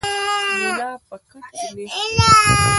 ملا په کټ کې نېغ کښېناست.